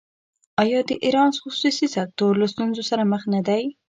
آیا د ایران خصوصي سکتور له ستونزو سره مخ نه دی؟